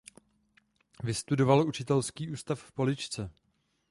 Vystudoval učitelský ústav v Poličce.